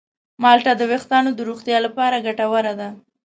مالټه د ویښتانو د روغتیا لپاره ګټوره ده.